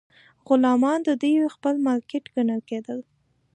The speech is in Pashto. غلامان د دوی خپل مالکیت ګڼل کیدل.